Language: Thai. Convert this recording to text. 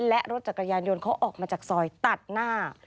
และรถจักรยานยนต์เขาออกมาจากซอยตัดหน้า